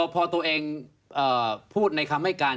พอตัวเองพูดในคำให้การ